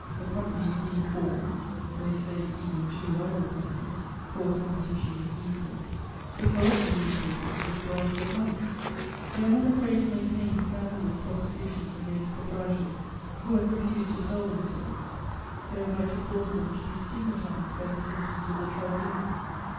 A company is being formed (they say even two rival companies, for competition is needful) to corrupt the newspapers with bribes of money. They are not afraid to maintain scandalous prosecutions against proprietors who have refused to sell themselves; they would like to force them to be stigmatized by the sentence of the tribunals.